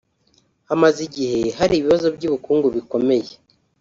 hamaze igihe hari ibibazo by’ubukungu bikomeye